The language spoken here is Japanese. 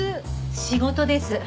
仕事です。